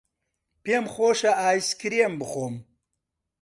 پێم خۆشە ئایسکرێم بخۆم.